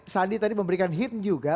sandi tadi memberikan hip juga